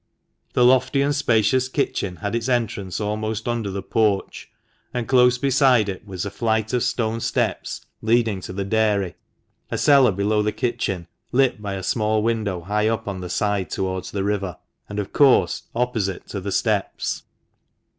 The lofty and spacious kitchen had its entrance almost under the porch, and close beside it was a flight of stone steps leading to the dairy, a cellar below the kitchen, lit by a small window high up on the side towards the river, and of course opposite to the steps.